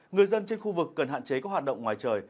người dân trên khu vực cần hạn chế các hoạt động ngoài trời